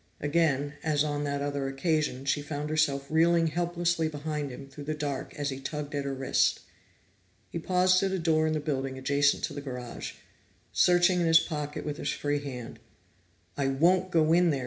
Again, as on that other occasion, she found herself reeling helplessly behind him through the dark as he tugged at her wrist. He paused at a door in the building adjacent to the garage, searching in his pocket with his free hand. "I won't go in there!"